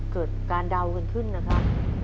เกิดการเดาขึ้นนะคะ